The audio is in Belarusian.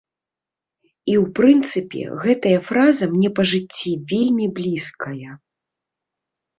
І ў прынцыпе, гэтая фраза мне па жыцці вельмі блізкая.